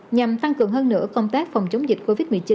nhằm tăng cường hơn nữa công tác phòng chống dịch covid một mươi chín